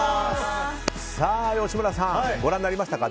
さあ、吉村さんご覧になりましたか？